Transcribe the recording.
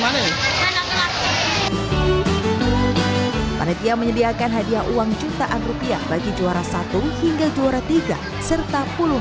mana anak anak panitia menyediakan hadiah uang jutaan rupiah bagi juara satu hingga juara tiga serta